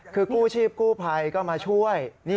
คือกู้ชีพกู้ภัยก็มาช่วย